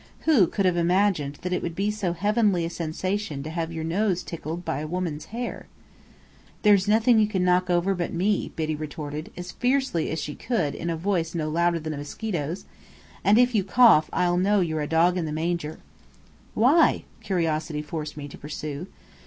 Who could have imagined that it would be so heavenly a sensation to have your nose tickled by a woman's hair? "There's nothing you can knock over, but me," Biddy retorted, as fiercely as she could in a voice no louder than a mosquito's. "And if you cough, I'll know you're a dog in the manger." "Why?" curiosity forced me to pursue.